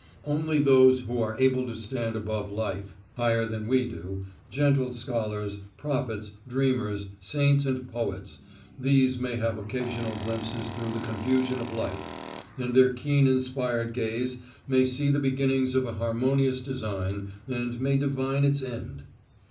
Only those who are able to stand above life, higher than we do, gentle scholars, prophets, dreamers, saints and poets, these may have occasional glimpses through the confusion of life, and their keen inspired gaze may see the beginnings of a harmonious design, and may divine its end.